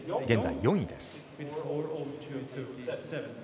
現在４位です。